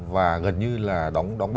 và gần như là đóng băng